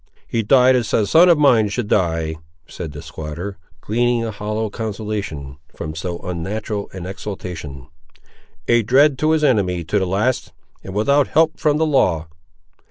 "He died as a son of mine should die," said the squatter, gleaning a hollow consolation from so unnatural an exultation: "a dread to his enemy to the last, and without help from the law!